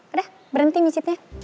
udah berhenti micitnya